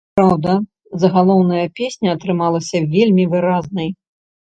Праўда, загалоўная песня атрымалася вельмі выразнай.